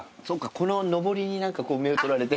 こののぼりに目を取られて。